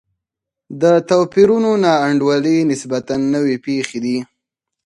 د توپیرونو نا انډولي نسبتا نوې پېښې دي.